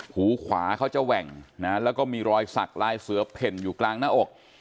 หูขวาเขาจะแหว่งนะแล้วก็มีรอยสักลายเสือเพ่นอยู่กลางหน้าอก